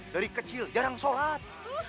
dari kecil jarang sholat